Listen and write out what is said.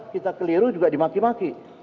kita keliru juga dimaki maki